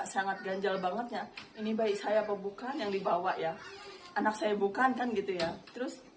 sangat ganjal banget ya ini baik saya apa bukan yang dibawa ya anak saya bukan kan gitu ya terus